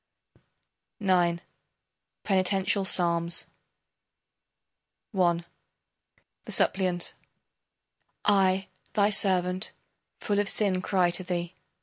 IX. PENITENTIAL PSALMS I The Suppliant: I, thy servant, full of sin cry to thee.